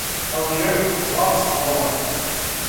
Алжир, вам слово.